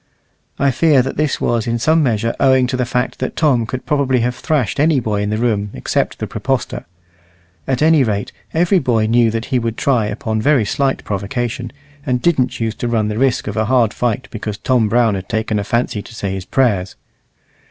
I fear that this was in some measure owing to the fact that Tom could probably have thrashed any boy in the room except the praepostor; at any rate, every boy knew that he would try upon very slight provocation, and didn't choose to run the risk of a hard fight because Tom Brown had taken a fancy to say his prayers.